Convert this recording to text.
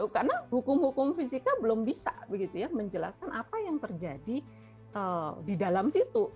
karena hukum hukum fisika belum bisa menjelaskan apa yang terjadi di dalam situ